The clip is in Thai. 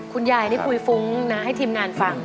คุณยายนี่คุยฟุ้งนะให้ทีมงานฟัง